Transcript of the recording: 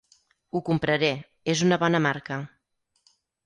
Ho compraré: és una bona marca.